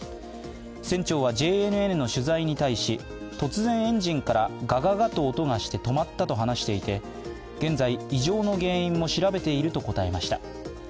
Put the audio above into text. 船長はＪＮＮの取材に対し、突然エンジンからガガガと音がして止まったと話していて現在、以上の原因を調べていると答えました。